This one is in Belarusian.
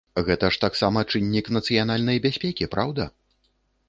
Гэта ж таксама чыннік нацыянальнай бяспекі, праўда?